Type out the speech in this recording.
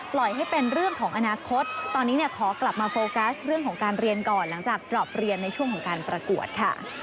ปล่อยให้เป็นเรื่องของอนาคต